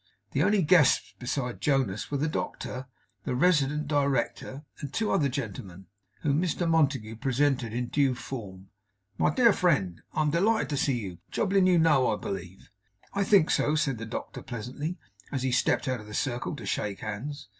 The only guests besides Jonas were the doctor, the resident Director, and two other gentlemen, whom Montague presented in due form. 'My dear friend, I am delighted to see you. Jobling you know, I believe?' 'I think so,' said the doctor pleasantly, as he stepped out of the circle to shake hands.